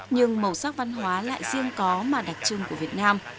nhưng màu sắc văn hóa lại riêng có mà đặc trưng của việt nam